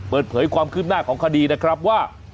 เปิดเผยความคืบหน้าของคดีนะครับว่า